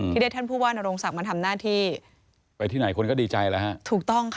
ได้ท่านผู้ว่านโรงศักดิ์มาทำหน้าที่ไปที่ไหนคนก็ดีใจแล้วฮะถูกต้องค่ะ